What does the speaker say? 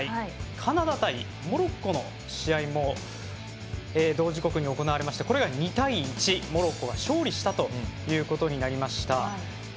カナダ対モロッコの試合も同時刻に行われましてこれが２対１モロッコが勝利したということになりました。